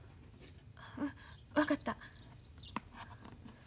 うん分かった。